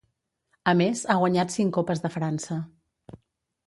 A més ha guanyat cinc Copes de França.